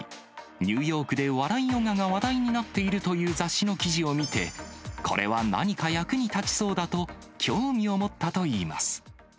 ニューヨークで笑いヨガが話題になっているという雑誌の記事を見て、これは何か役に立ちそうだと、興味を持ったといいます。